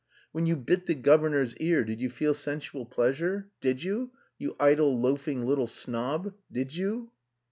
When you bit the governor's ear did you feel sensual pleasure? Did you? You idle, loafing, little snob. Did you?"